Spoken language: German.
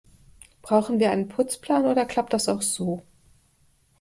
Brauchen wir einen Putzplan, oder klappt das auch so?